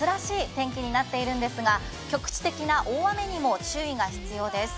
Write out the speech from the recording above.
天気になっているんですが局地的な大雨にも注意が必要です。